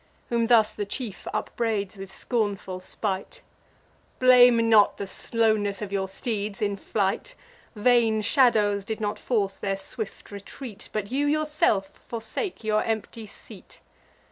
Whom thus the chief upbraids with scornful spite: "Blame not the slowness of your steeds in flight; Vain shadows did not force their swift retreat; But you yourself forsake your empty seat."